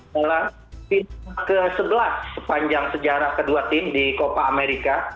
dalam fit ke sebelas sepanjang sejarah kedua tim di copa amerika